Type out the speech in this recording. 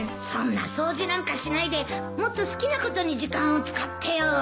そんな掃除なんかしないでもっと好きなことに時間を使ってよ。